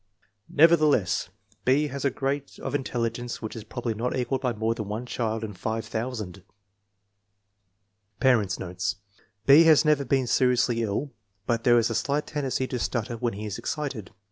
Nevertheless, B. has a grade of intelligence which is FORTY ONE SUPERIOR CHILDREN 211 probably not equaled by more than one child in five thousand* Parents 9 notes. B. has never been seriously ill, but there is a slight tendency to stutter when he is excited.